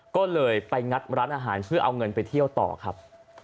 ก็เลยไปงัดร้านอาหารเพื่อเอาเงินไปเที่ยวต่อครับ